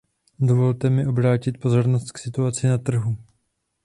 Dovolte mi obrátit pozornost k situaci na trhu.